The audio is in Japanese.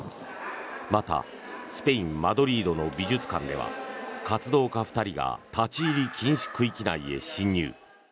また、スペイン・マドリードの美術館では活動家２人が立ち入り禁止区域内へ侵入。